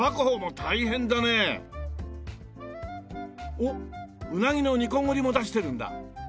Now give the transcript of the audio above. おっうなぎの煮こごりも出してるんだ。